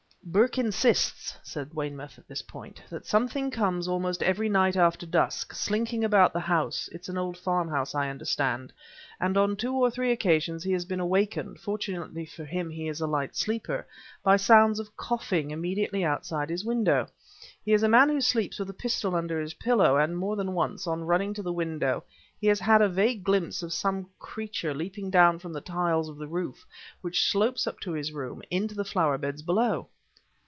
"Burke insists," said Weymouth at this point, "that something comes almost every night after dusk, slinking about the house it's an old farmhouse, I understand; and on two or three occasions he has been awakened (fortunately for him he is a light sleeper) by sounds of coughing immediately outside his window. He is a man who sleeps with a pistol under his pillow, and more than once, on running to the window, he has had a vague glimpse of some creature leaping down from the tiles of the roof, which slopes up to his room, into the flower beds below..."